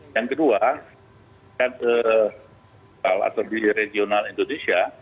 yang kedua atau di regional indonesia